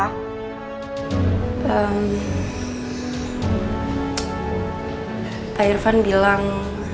ehm pak irfan bilang